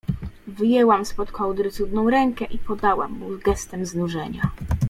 Wyjęłam spod kołdry cudną rękę i podałam mu gestem znużenia.